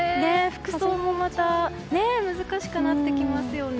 服装もまた難しくなってきますよね。